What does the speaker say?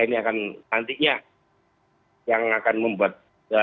ini akan nantinya yang akan membuat